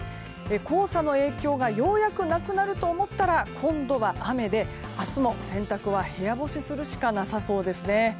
黄砂の影響がようやくなくなると思ったら今度は雨で、明日も洗濯は部屋干しするしかなさそうですね。